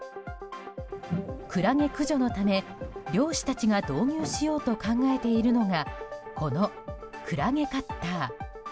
クラゲ駆除のため、漁師たちが導入しようと考えているのがこのクラゲカッター。